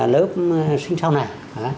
lớp sinh sau nào